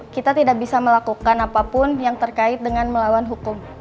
kita tidak bisa melakukan apapun yang terkait dengan melawan hukum